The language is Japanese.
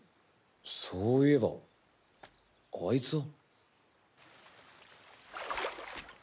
そういえばあいつは。